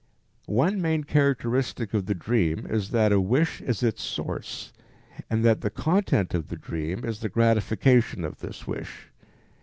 One main characteristic of the dream is that a wish is its source, and that the content of the dream is the gratification of this wish.